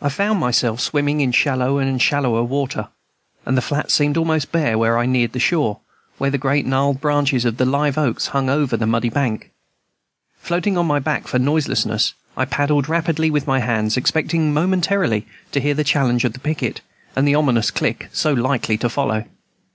I found myself swimming in shallow and shallower water, and the flats seemed almost bare when I neared the shore, where the great gnarled branches of the liveoaks hung far over the muddy bank. Floating on my back for noiselessness, I paddled rapidly in with my hands, expecting momentarily to hear the challenge of the picket, and the ominous click so likely to follow.